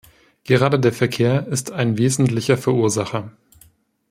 Gerade der Verkehr ist ein wesentlicher Verursacher.